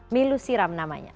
milu siram namanya